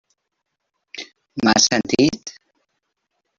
M'has sentit?